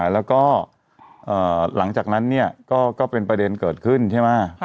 แล้วก็หลังจากนั้นก็เป็นประเด็นเกิดขึ้นใช่ไหม